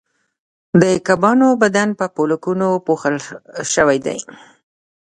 د کبانو بدن په پولکونو پوښل شوی دی